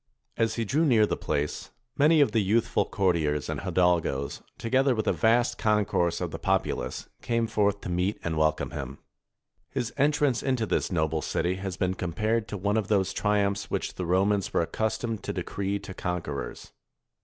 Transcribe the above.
As he drew near the place, many of the youthful courtiers, and hidalgos, together with a vast concourse of the populace, came forth to meet and 483 SPAIN welcome him. His entrance into this noble city has been compared to one of those triumphs which the Romans were accustomed to decree to conquerors.